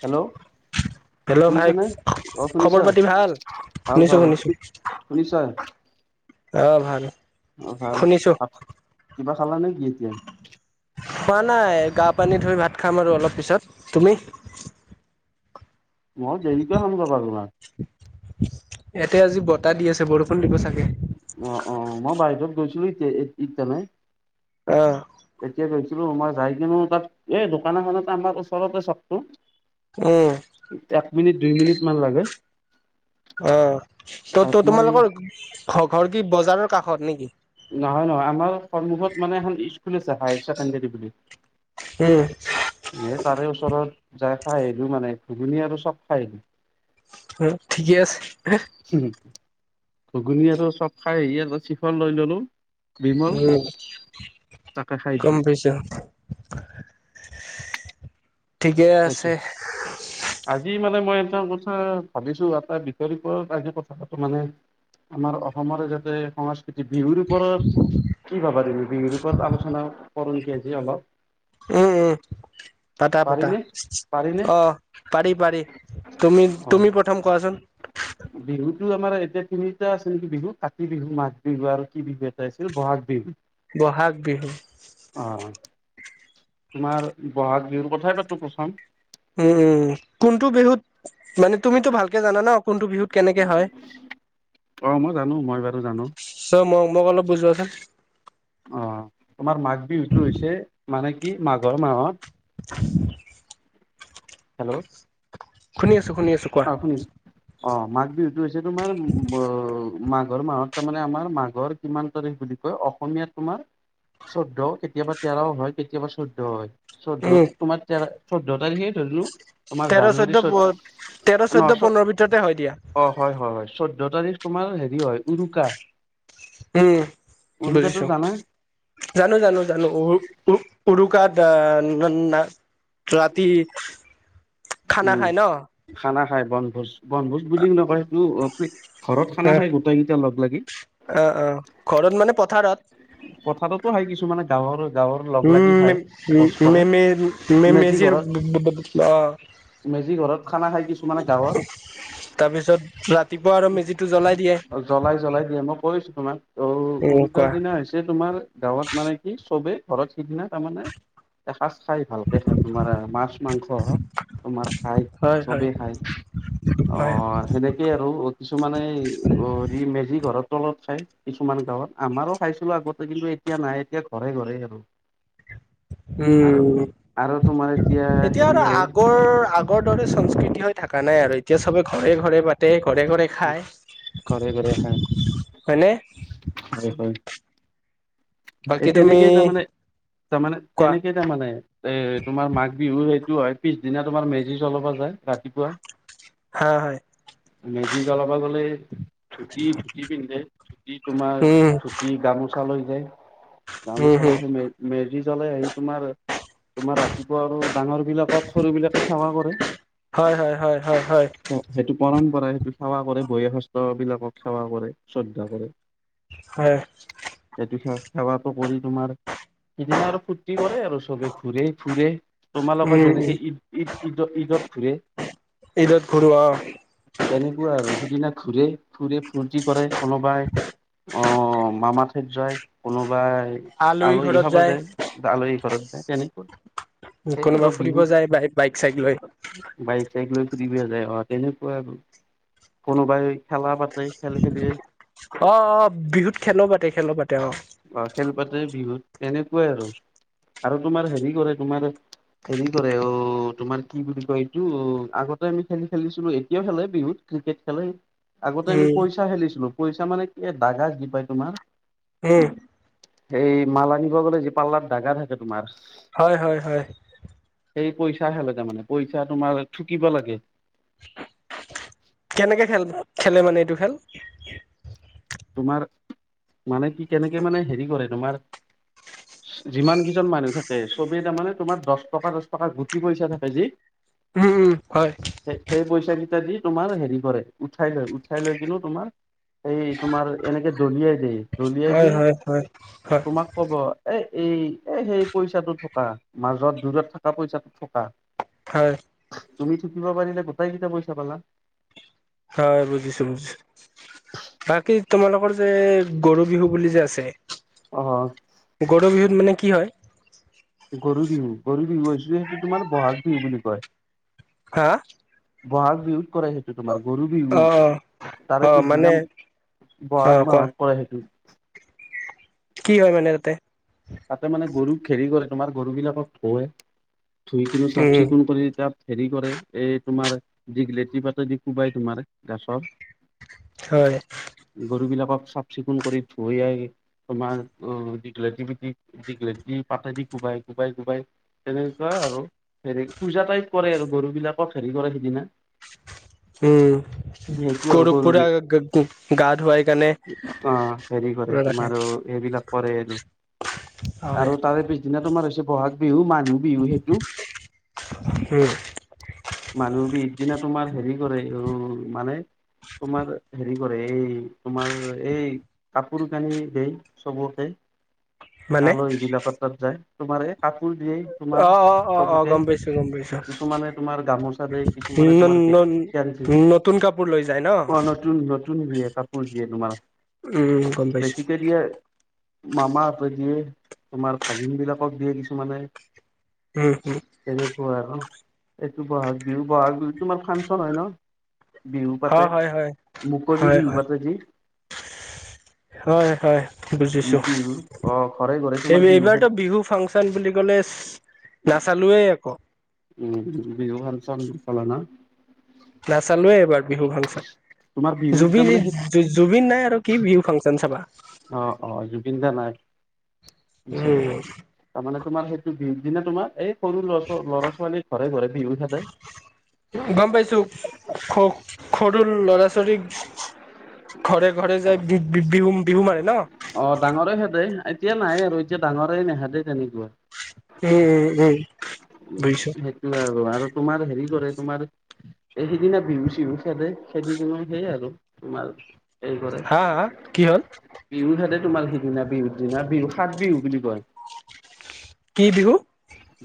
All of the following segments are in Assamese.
হেল্ল' হেল্ল' ভাই, শুনিছানে? অ' শুনিছা? খবৰ পাতি ভাল? ভাল শুনিছো, ভাল শুনিছো। শুনিছা? অ ভাল। অ ভাল। শুনিছো কিবা খালা নে কি এতিয়া? খোৱা নাই গা পানী ধুই ভাত খাম আৰু অলপ পিছত। তুমি? মই দেৰিকে খাম গুহাত বনাই। ইয়াতে আজি বতাহ দি আছে। বৰষুণ দিব চাগে। অ, অ। মই বাহিৰত গৈছিলো এতে ইটানে। অঁ এতিয়া কৈছে ছিলো মই যাইছিলো তাত, এই দোকান এখন আমাৰ ওচৰতে চকটো। উ। এক মিনিট দুই মিনিট মান লাগে। অ তাত ত-ত মই তোমালোকৰ খঘৰ কি বজাৰৰ কাষত নে কি? নহয়, নহয় আমাৰ সমুখত মানে এখন স্কুল আছে হায়াৰ ছেকেণ্ডৰী বুলি। উম এ তাৰে ওচৰত যাই খাই আহিলো মানে ঘুগুনী আৰু চপ খাই আহিলো। উ ঠিকেই আছে। আহিলো। ঘুগুনি আৰু চপ খাই আহি আগত ছিখৰ লৈ ললো। বিমল উম তাকে খাই দিলো। কম পইচা। ঠিকেই সেইটো আছে। আজি মানে মই এটা কথা ভাবিছো এটা বিতকৰ কথাটো মানে আমাৰ অসমৰে যাতে সং য়া বিহুৰ ওপৰত কি ভাবা তুমি বিহুৰ ওপৰত আলোচনা কৰো নেকি আজি অলপ। পাৰিনে পাৰিনে অহ পাৰি-পাৰি। তুমি, অ তুমি প্ৰথম কোৱাচোন। কিন্তু আমাৰ এতিয়া তিন-তিনিটা আছে নেকি বিহু। কাতি বিহু, মাঘ বিহু আৰু কি বিহু এটা আছিল বহাগ বিহু। বহাগ বিহু। অ তোমাৰ বহাগ বিহুৰ কথাই কথাই পাতো প্ৰচম। উম, উম। কোনটো বিহুত মানে তুমিতো ভালকে জানা ন? কোনটো বিহুত কেনেকে হয় অ মই জানো মই বাৰু জানো চ মই মোক অলপ বুজোৱাচোন অ তোমাৰ মাঘ বিহুটো হৈছে মানে কি? মাঘৰ মাহত [inaudible] হেল্ল' শুনি আছ শুনি আছো কোৱা অ শুনিছ অ' মাক দি এইটো হৈছে তোমাৰ ব' মাঘৰ মাহত তাৰমানে আমাৰ মাঘৰ কিমান তাৰিখ বুলি কয়, অসমীয়াত তোমাৰ, চৈধ্য কেতিয়াবা তেৰও হয়, কেতিয়াবা চৈধ্যও হয়। উম চৈধ্যত তোমাৰ তেৰ, চৈধ্য তাৰিখে ধৰিলো, তোমাৰ তেৰ চৈধ্য জানুৱাৰী চৈ তেৰ, নহ চৈধ্য, চ পোন্ধৰ ভিতৰতে হয় দিয়া। জতাধিশ কুমাৰ হেৰি হয় উৰুকা উম, উৰুকাটো বুজিছো, জানা জানো, জানো, জানো উ উ উৰুকাত আহ ৰা ৰাতি খানা উম, খাই ন খানা খাই বন ভোজ-বনভোজ বুলি নকয় [unintelligible] ঘৰত খানা খাই গোটাই কেইটা লগ লাগি। অ অ ঘৰত মানে পথাৰত পথাৰতো হয় কিছু মানে গাঁৱৰ গাঁৱৰ লগ লাগি উম, খাই ম ভোজ কৰে মেমে, মেজি মেমেজিৰ, ঘৰত ব ব অ মেজি ঘৰত খানা খাই কিছুমানে তাৰপিছত ৰা জ্বলাই-জ্বলাই দিয়ে, মই কৈছো তোমাক অ উম উৰুকা কোৱা দিনা হৈছে তোমাৰ গাঁৱত মানে কি চবে ঘৰত সিদিনা তাৰমানে কাছ খাই ভালকৈ খায় তোমাৰ এ মাছ মাংস তোমাৰ খায় হয় হয় চবেই খায় হয়। সেনেকেই আৰু টো মানে অ মে ঘৰত তলত খাই কিছুমান গাঁৱত আমাৰো খাইছিলো আগতে কিন্তু এতিয়া নাই এতিয়া ঘৰে ঘৰে আৰু আৰু উম, আৰু তোমাৰ এতিয়া হেৰি আৰু কৰে আগৰ আগ আগৰ দৰে সংস্কৃতি হৈ থকা নাই আৰু এতিয়া সবে ঘৰে ঘৰে পাতে ঘৰে ঘৰে খায়, ঘৰে ঘৰে খায় হয়নে হয় হয় বাকী এই তুমি তেনেকেই তাৰমানে তাৰমানে কোৱা তেনেকেই তাৰমানে, এ তোমাৰ মাঘ বিহুৰ সিটো হয় পিছদিনা তোমাৰ মেজি জলাবা যায় ৰাতিপুৱা হ, হয়। মেজি জ্বলাবা গলে ধুতি, ধুতি পিন্ধে। তোমাৰ উম ধুতি গামোচা তালৈ যায়। উম গামোচা হম মে মেৰিয়াই যি জ্বলে এ তোমাৰ তোমাৰ ৰাতিপুৱা আৰু ডাঙৰ বিলাকক সৰু বিলাকে সেৱা কৰে হয় হয় হয় হয় হয় সেইটো পৰাম কৰা সেইটো সেৱা কৰে বয়সস্থ বিলাকক সেৱা কৰে শ্ৰদ্ধা কৰে। হয়। সেইটো সে সেৱাটো কৰি তোমাৰ সিদিনা আৰু ফুৰ্তি কৰে। আৰু চবে ফুৰে ফুুৰে। তোমালোকৰ উম উম যেনেকে ঈদ ঈদ ঈদত ফিদত ঘূৰে ইঈত ঘৰুৱা তেনেকুৱা আৰু সিদিনা ঘুৰে ফুৰে ফূৰ্তি কৰে কোনোবাই অ মামা ঠাইত যায় কোনোবাই বা আলহী খাব যায় আলহী ঘৰত। তেনেকৈ কোনোবা ফুৰিব যায় বাই বাইক চাইক লৈ বাইক চাইক লৈ ফুৰিব যায় অ তেনেকুৱা আৰু কোনোবাই খেলা পাতে খেল খেলি অ আহ বিহুত খেলো পাতে খেলো পাতে অ খেল পাতে বিহুত তেনেকুৱাই আৰু আৰু তোমাৰ হেৰি কৰে তোমাৰ হেৰি কৰে অ তোমাৰ কি বুলি কয় এইটো আগতে আমি খেলি খেলিছিলো এতিয়াও খেলে বিহুত। ক্ৰিকেট খেলে আগতে আমি উম পইচা খেলিছিলো। পইচা মানে কি দাগা দি পাই তোমাৰ হে এই মাল আনিব গ'লে যি পাল্লাত দাগা থাকে তোমাৰ। হয় হয় হয় সেই পইচা হে ল তে মানে, পইচা তোমাৰ ঠুকিব লাগে। কেনেকে খেল, খেলে মানে এইটো খেল। তোমাৰ। মানে কি কেনেকে মানে হেৰি কৰে তোমাৰ। যিমান কেইজন মানুহ থাকে চবেই তাৰ মানে তোমাৰ দশ টকা দচ টকা গুটি পইচা থাকে যি। উম, উম হয়। ইত্যাদি তোমাৰ হেৰি কৰে উঠাই লৈ, উঠাই লৈ কিনু তোমাৰ। তোমাৰ এনেকে দলিয়াই দিয়, দলিয়াই হয় দি হয় হয় হয় তোমাক ক'ব এই। এই এ সেই পইচাটো থকা মাজত দূৰত থকা পইচাটো থকা। হয়। তুমি থোকিব পাৰিলে গোটাইকেইটা পইচা পালা। হয় বুজিছো-বুজিছো। বাকী তোমালোকৰ যে গৰু বিহু বুলি যে আছে। অ', গৰু বিহুত মানে কি হয়। গৰু বিহু, গৰু বিহু হৈছে সেইটো তোমাৰ বহাগ বিহু বুলি কয়। হা। বহাগ বিহুত কৰে সেইটো তোমাৰ। গৰু বিহু, অ অ অ তাৰে মানে পিছদিনা অ বহাগ কোৱা মাহত কৰে সেইটো। [inaudible] কি হয় মানে তাতে। তাতে মানে গৰুক খেৰি কৰে তোমাৰ গৰুবিলাকক ধুৱে। ধুই কিনি চাফ উম চিকুণ কৰি তাত হেৰি কৰে এই তোমাৰ দিঘ লেটি পাতেদি কোবাই তোমাৰ গাছৰ। হয় গৰু বিলাকক। চাফ-চিকুণ কৰি ধুই আহি তোমাৰ দীঘলতি দিঘলেতি পাতেদি কোবাই-কোবাই-কোবাই, তেনেকুৱা আৰু হেৰি পূজা টাইপ কৰে আৰু গৰু বিলাকক হেৰি কৰে সিদিনা। উম' সেইটো আৰু গৰুক গৰু পুৰা বি গা ধুৱাই কাণে অ হেৰি কৰে পোৰা ৰাখে। তোমাৰ সেইবিলাক কৰে আৰু হয় আৰু তাৰে পিছদিনা তো আমাৰ হৈছে বহাগ বিহু মাঘ। মানুহ বিহু সেইটো উম মানুহ বিহ দিনা তোমাৰ হেৰি কৰে, মানে তোমাৰ হেৰি কৰে এই তোমাৰ এই কাপোৰ কানি দেই চবকে। মানে আলহী বিলাকৰ তাত যায়। তোমাৰে। কাপোৰ দিয়ে তোমাৰ অ অ অ অ চবকে, গম পাইছো গম পাইছো কিছুমানে তোমাৰ গামোচা দিয়ে, কিছুমানে তোমাৰ গেনজি নতুন কাপোৰ লৈ যায় ন নতুন-নতুন। কাপোৰ দিয়ে, কাপোৰ দিয়ে তোমাৰ। উম' গম পাইছো। মামা দিয়ে তোমাৰ ভাগিন বিলাকক দিয়ে কিছুমানে। উম-উম। তেনেকুৱা আৰু এইটো বহাগ বিহু, বহাগ বিহুত তোমাৰ ফাংচন হয় ন। বিহু হয় পাত হয় হয় মুকললি বিহু পাত যি। হয়-হয় বুজিছোঁ। বিহুৰ অ ঘৰে ঘৰে এই তোমাৰ বিহু খে এইবাৰতো বিহু ফাংচন বুলি ক'লে নাচাল লোৱেই আকৌ উম' বিহু ফাংচন চলেনা। নাচালোৱে এইবাৰ বিহু ফাংচন তোমাৰ বিহুত তাৰমানে সেই জুবিন-জুবিন নাই আৰু কি বিহু ফাংচন চাবা। বিচাৰে উম তাৰ মানে তোমাৰ সেইটো বি দিনা তোমাৰ এই সৰু লৰা ছ ল'ৰা ছোৱালীৰ ঘৰে ঘৰে বিহু থাকে। সৰুৰ ল'ৰা ছোৱালীক ঘৰে ঘৰে যাই বি বিহু বিহু মাৰে ন। অ ডাঙৰে খেতে এতিয়া নাই আৰু এতিয়া ডাঙৰেই নেহেদে তেনেকুৱা। উম উম উম। বুজিছো সেইটো আৰু আৰু তোমাৰ হেৰি কৰে তোমাৰ এই সিদিনা বিহু চিহু খেদে খেদি কিনো সেইয় আৰু তোমাৰ এই কৰে হা হা কি হ'ল বিহু খাতে তোমাৰ দিনা বিহু দিনা বিহু সাত বিহু বুলি কয়। কি বিহু?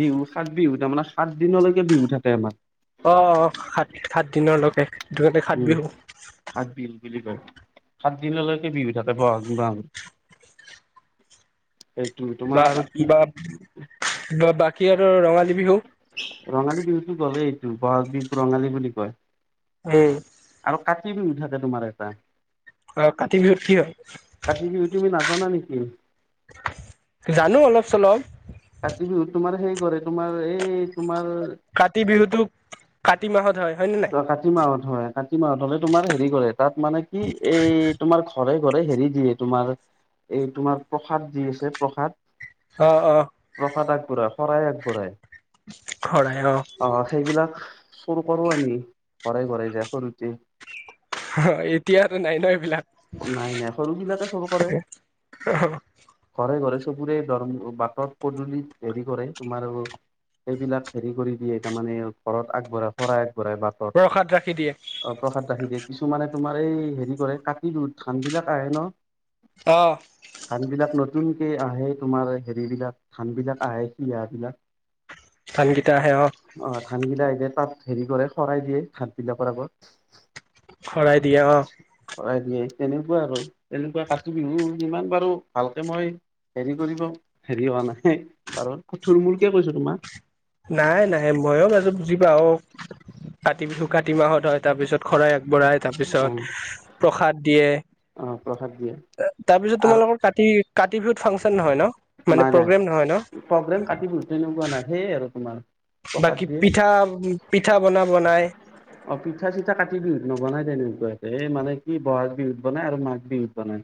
বিহু সাত বিহু তাৰমানে সাত দিনলৈকে বিহু থাকে আমাৰ। এক উম হাত বিল বুজি কয়। সাত দিনলৈকে বিহু থাতে বহাগ মাহ বা বাব বা বাকী ৰঙালী বিহু ৰঙালী বিহুতটো গ'লেই এইটো বহাগ বিহু ৰঙালী বুলি কয়। উম। কাটি বিহু থাকে তোমাৰ এটা। অ কাতি বিহুত কি হয়? জানা নেকি? জানো অলপ চলপ কাতি বিহুত তোমাৰ সেই কৰে তোমাৰ এই তোমাৰ কাতি বিহুতোক কাতি মাহত হয়। হয়নে নাই? অ কাতি মাহত হয় কাতি মাহত হ'লে তোমাৰ হেৰি কৰে তাত মানে কি এই তোমাৰ ঘৰে ঘৰে হেৰি দিয়ে তোমাৰ এই তোমাৰ প্ৰসাদ দি আছে প্ৰসাদ। অ অ পোৰা শৰাই আগবঢ়াই অ সেইবিলাক চোৰ কৰো আমি ঘৰে ঘৰে যাই সৰুতে। অ এতিয়া আৰু নাই ন এইবলাক? নাই নাই সৰু বিলাকে চোৰ কৰে ঘৰে ঘৰে সবৰে দৰ বাটত পদূলিত হেৰি কৰে তোমাৰ সেইবিলাক হেৰি কৰি দিয়ে তাৰমানে ঘৰত আগবঢ়া শৰাই আগ বৰহায় বাতত প্ৰসাদ ৰাখি দিয়ে অ প্ৰখাদ ৰাখি দিয়ে। কিছুমানে তোমাৰ এই হেৰি কৰে ধান বিলাক আহে ন অ' ধান বিলাক ন নতুনকে আহে তোমাৰ হেৰিবিলাক ধানবিলাক আহে সিহা বিলাক। ধানকেইটা আহে অ ধান বিলাক হেৰি কৰে শৰাই দিয়ে ধান বিলাকৰ আগত। সৰাই দিয়ে অ। শৰাই তেনেকুৱা আৰু তেনেকুৱা কাতি বিহু ইিমান বাৰু ভালকে মই হেৰি কৰিব হেৰি হোৱা নাই বাৰু, থূল মূলকে কৈছো তোমাক। নাই নাই ময়ো বাৰু বুজি পাওঁ কাতি বিহু কাতি মাহত তাৰপিছত শৰাই আগবঢ়াই অ তাৰপিছত প্ৰসাদ দিয়ে অ প্ৰসাদ দিয়ে তাৰপিছত আৰু তোমালোকৰ কাতি কাতি বিহুত ফাংচন নহয় ন মানে নাই নাই প্ৰগ্ৰেম নহয় ন? প্ৰগ্ৰেম কাতি বিহুত তেনেকুৱা নাই সেয়ে আৰু তোমাৰ প্ৰসাদ বাকি দিয়ে পিঠা পিঠা বনাব বনাই। অ পিঠা চিঠা কাতি বিহুত নবনাই তেনেকুৱাকে এই মানে কি বহাগ বিহুত বনাই আৰু মাঘ বিহুত বনাই।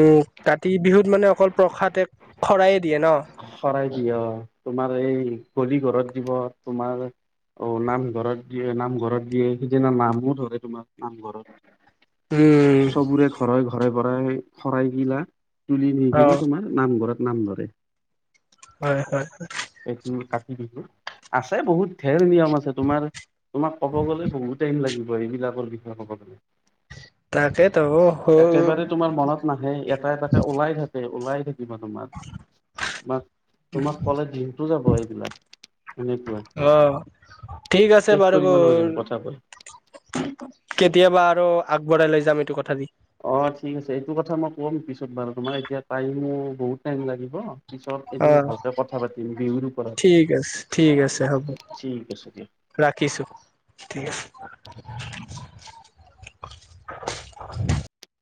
ও কাতি বিহুত মানে অকল প্ৰসাদে শৰায়ে দিয়ে ন? শৰাই দিয়ে অ, তোমাৰ এই গলি ঘৰত দিব, তোমাৰ অ নামঘৰত দিয়ে, নামঘৰত দিয়ে, সিদিনা নামো ধৰে তোমাৰ নামঘৰত। উম সবোৰে ঘৰে ঘৰে বৰাই শৰাইগিলা তুলি নিকিনে অ' তোমাৰ নামঘৰত নাম ধৰে। হয় হয়। এইটো কাটি বিহু আছে বহুত ঢেৰ নিয়ম আছে তোমাৰ তোমাক ক'ব গলে বহুত টাইম লাগিব এইবিলাকৰ বিষয়ে কব গলে। তাকেতো হ- একেবাৰে তোমাৰ মনত নাহে এটা এটাকে ওলাই থাকে ওলাই দিবা তোমাক তোমাক তোমাক কলে দিম। অ ঠিক আছে শেষ বাৰু কৰিব নোৱাৰিম গৰ কথাবোৰ কেতিয়াবা আৰু আগবঢ়াই লৈ যাম এইটো কথা দি। অ ঠিক আছে এইটো কথা মই কম পিছত বাৰু তোমাক এতিয়া টাইমো বহুত টাইম লাগিব। পিছত অ এদিন ভালকে কথা পাতিম বিহুৰ ওপৰত ঠিক আছে ঠিক আছে হব ঠিক আছে দিয়া ৰাখিছো ঠিক আছে। [inaudible]